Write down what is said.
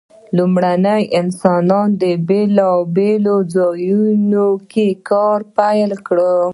لومړنیو انسانانو په بیلابیلو ځایونو کې کار پیل کړ.